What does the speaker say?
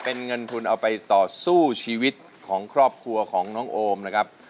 เป็นเงินทุนเอาไปต่อสู้ชีวิตของครอบครัวของน้องโอมนะครับ